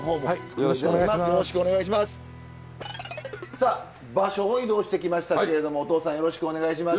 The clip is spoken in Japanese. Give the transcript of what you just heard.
さあ場所を移動してきましたけれどもおとうさんよろしくお願いします。